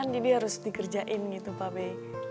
jadi harus dikerjain gitu pak be